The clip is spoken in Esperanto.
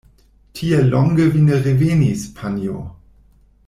Tiel longe vi ne revenis, panjo!